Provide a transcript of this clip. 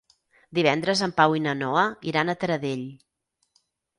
Divendres en Pau i na Noa iran a Taradell.